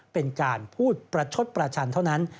เป็นการพูดประชดประชันเท่านั้น